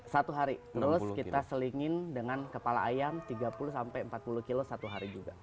satu hari terus kita selingin dengan kepala ayam tiga puluh sampai empat puluh kilo satu hari juga